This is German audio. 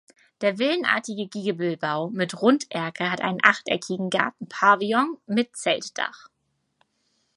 Der villenartige Giebelbau mit Runderker hat einen achteckigen Gartenpavillon mit Zeltdach.